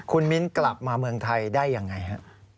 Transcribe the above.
คุณมิ้นกลับมาเมืองไทยได้ยังไงฮะ